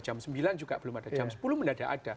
jam sembilan juga belum ada jam sepuluh mendadak ada